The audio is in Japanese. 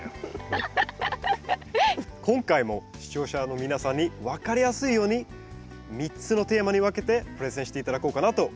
今回も視聴者の皆さんに分かりやすいように３つのテーマに分けてプレゼンして頂こうかなと思っています。